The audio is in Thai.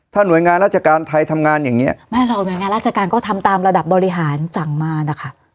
หน่วยงานราชการไทยทำงานอย่างเงี้ยไม่หรอกหน่วยงานราชการก็ทำตามระดับบริหารสั่งมานะคะ